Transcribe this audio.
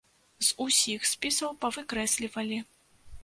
З усіх спісаў павыкрэслівалі.